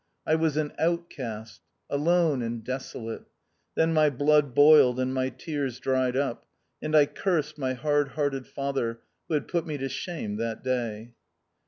I was an Outcast ; alone and deso late. Then my blood boiled and my tears dried up ; and I cursed my hard hearted father, who had put me to shame that day.